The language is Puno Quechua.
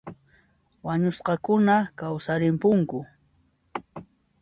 Wañusqakuna kawsarimpunku